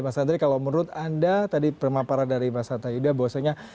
mas andri kalau menurut anda tadi pemaparan dari mas hanta yuda bahwasanya